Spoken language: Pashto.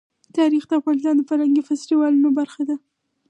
تاریخ د افغانستان د فرهنګي فستیوالونو برخه ده.